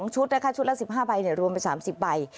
ชุดนะคะชุดละ๑๕ใบรวมเป็น๓๐ใบ